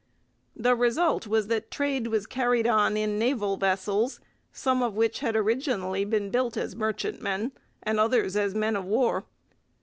The result was that trade was carried on in naval vessels, some of which had originally been built as merchantmen and others as men of war.